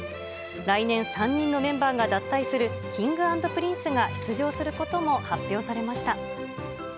来年３人のメンバーが脱退するＫｉｎｇ＆Ｐｒｉｎｃｅが出場することも発表されました。